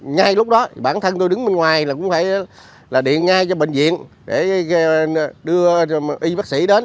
ngay lúc đó bản thân tôi đứng bên ngoài là cũng phải là điện ngay cho bệnh viện để đưa y bác sĩ đến